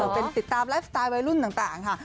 เป็นติดตามไลฟ์สไตล์วัยรุ่นต่างค่ะ